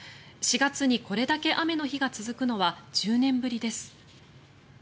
４月にこれだけ雨の日が続くのは１０年ぶりです。